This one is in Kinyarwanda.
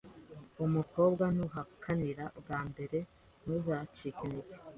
Umukobwa naguhakanira bwa mbere ntuzacike intege